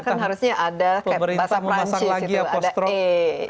karena kan harusnya ada bahasa prancis